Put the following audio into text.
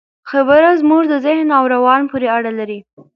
خبره زموږ د ذهن او روان پورې اړه لري.